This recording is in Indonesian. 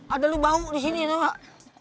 ada lo bau disini tuh pak